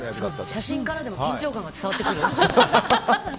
写真からでも緊張感が伝わってくるね。